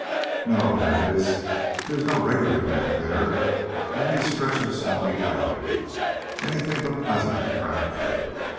"No; that is, there is no regular path there, only a stretch of swampy ground, any thing but pleasant to travel through.